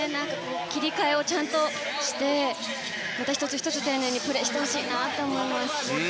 切り替えをちゃんとしてまた１つ１つ丁寧にプレーしてほしいです。